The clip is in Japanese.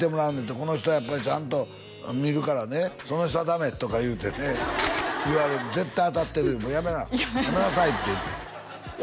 この人はやっぱりちゃんと見るからね「その人はダメ」とか言うてね言われる絶対当たってるやめなさいって言うていや